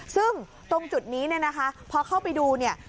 ซึ่งตรงจุดนี้เนี่ยนะคะพอเข้าไปดูเนี่ย